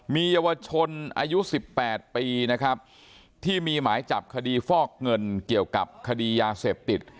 มีเยาวชนอายุ๑๘ปีนะครับที่มีหมายจับคดีฟอกเงินเกี่ยวกับคดียาเสพติด